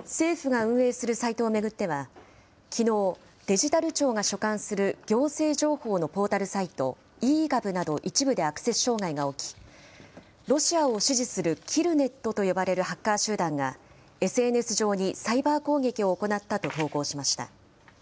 政府が運営するサイトを巡っては、きのう、デジタル庁が所管する行政情報のポータルサイト、ｅーＧｏｖなど一部でアクセス障害が起き、ロシアを支持するキルネットと呼ばれるハッカー集団が、ＳＮＳ上にサイバー攻撃を行ったと投稿しました。